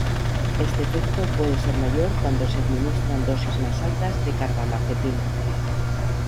Este efecto puede ser mayor cuando se administran dosis más altas de carbamazepina.